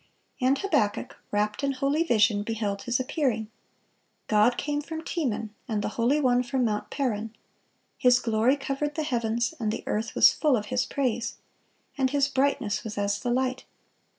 (454) And Habakkuk, rapt in holy vision, beheld His appearing. "God came from Teman, and the Holy One from Mount Paran. His glory covered the heavens, and the earth was full of His praise. And His brightness was as the light."